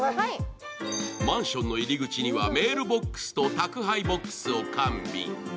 マンションの入り口にはメールボックスと宅配ボックスを完備。